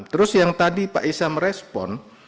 terus yang tadi pak isha merespon